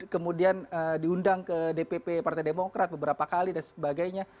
kemudian diundang ke dpp partai demokrat beberapa kali dan sebagainya